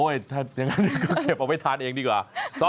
ถ้าอย่างนั้นก็เก็บเอาไว้ทานเองดีกว่า